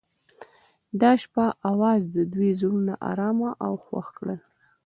د شپه اواز د دوی زړونه ارامه او خوښ کړل.